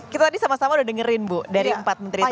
kita tadi sama sama udah dengerin bu dari empat menteri itu